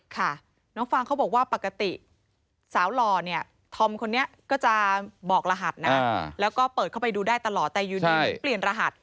ค่ะน้องฟางเขาบอกว่าปกติสาวหล่อเนี่ยธอมคนนี้ก็จะบอกรหัสนะแล้วก็เปิดเข้าไปดูได้ตลอดแต่อยู่ดีเหมือนเปลี่ยนรหัส